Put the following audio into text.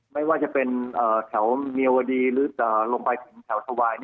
ไม่ว่าจะเป็นแถวเมียวดีหรือลงไปถึงแถวถวาย